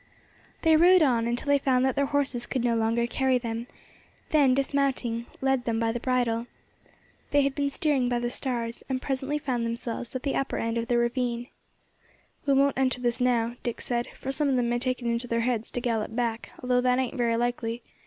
They rode on until they found that their horses could no longer carry them, then, dismounting, led them by the bridle. They had been steering by the stars, and presently found themselves at the upper end of the ravine. "We won't enter this now," Dick said, "for some of them may take it into their heads to gallop back, although that ain't very likely.